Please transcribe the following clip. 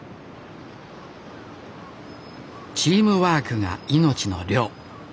チームワークが命の漁。